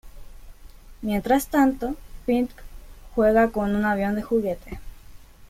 Mientras tanto, Pink juega con un avión de juguete.